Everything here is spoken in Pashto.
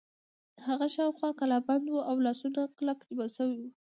هغه شاوخوا کلابند و او له لاسونو کلک نیول شوی و.